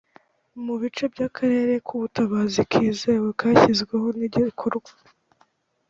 mu bice by akarere k ubutabazi kizewe kashyizweho n igikorwa